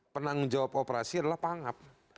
pernah menjawab operasi adalah pangap